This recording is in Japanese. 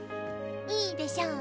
いいでしょ。